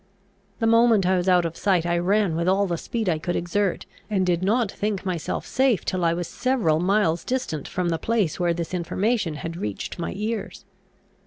The moment I was out of sight I ran with all the speed I could exert, and did not think myself safe till I was several miles distant from the place where this information had reached my ears.